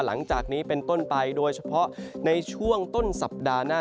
หลังจากนี้เป็นต้นไปโดยเฉพาะในช่วงต้นสัปดาห์หน้า